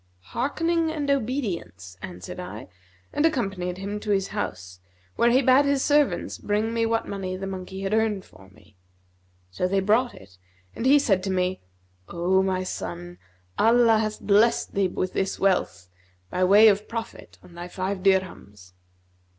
'Hearkening and obedience,' answered I and accompanied him to his house, where he bade his servants bring me what money the monkey had earned for me. So they brought it and he said to me, 'O my son, Allah hath blessed thee with this wealth, by way of profit on thy five dirhams.'